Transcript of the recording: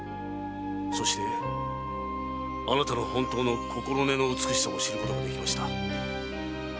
そしてあなたの本当の心根の美しさを知ることができました。